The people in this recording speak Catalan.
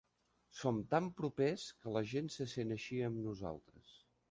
Som tan propers que la gent se sent així amb nosaltres.